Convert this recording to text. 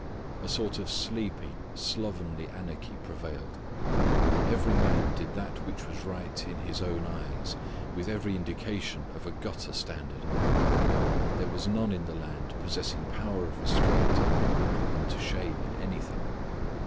A sort of sleepy, slovenly anarchy prevailed. Every man did that which was right in his own eyes, with every indication of a gutter standard. "There was none in the land possessing power of restraint that might put them to shame in anything."